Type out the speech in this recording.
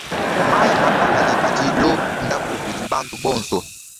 Mayi matalale adi londapu kudi bantu bonso.